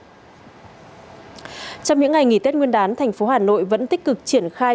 trong những ngày nghỉ tết nguyên đán thành phố hà nội vẫn tích cực triển khai